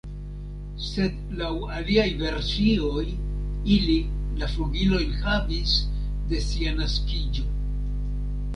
Sed laŭ aliaj versioj ili la flugilojn havis de sia naskiĝo.